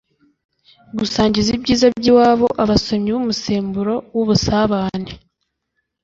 gusangiza ibyiza by’iwabo abasomyi b’umusemburo w’ubusabane.